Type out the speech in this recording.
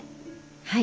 はい。